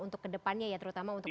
untuk kedepannya ya terutama untuk